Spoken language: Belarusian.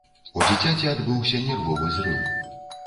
У дзіцяці адбыўся нервовы зрыў.